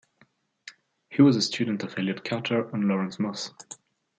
He was a student of Elliott Carter and Lawrence Moss.